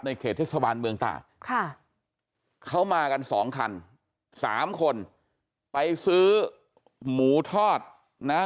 เขตเทศบาลเมืองตากค่ะเขามากันสองคันสามคนไปซื้อหมูทอดนะฮะ